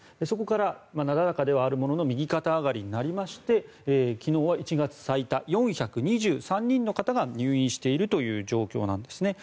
そこからなだらかではあるものの右肩上がりになりまして昨日は１月最多４２３人の方が入院しているという状況なんです。